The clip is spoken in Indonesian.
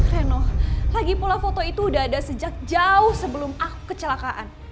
reno lagi pula foto itu udah ada sejak jauh sebelum aku kecelakaan